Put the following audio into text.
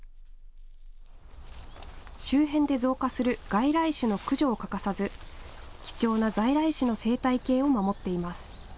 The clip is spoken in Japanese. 周辺で増加する外来種の駆除を欠かさず、貴重な在来種の生態系を守っています。